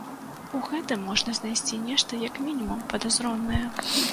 У гэтым можна знайсці нешта як мінімум падазронае.